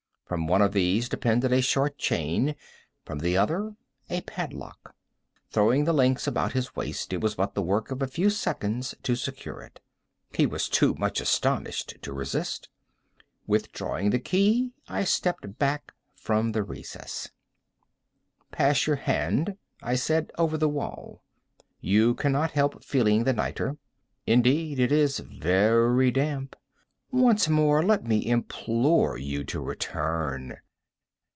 From one of these depended a short chain, from the other a padlock. Throwing the links about his waist, it was but the work of a few seconds to secure it. He was too much astounded to resist. Withdrawing the key I stepped back from the recess. "Pass your hand," I said, "over the wall; you cannot help feeling the nitre. Indeed it is very damp. Once more let me implore you to return.